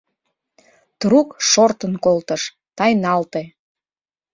Трук шортын колтыш, тайналте.